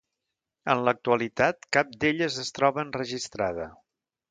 En l'actualitat, cap d'elles es troba enregistrada.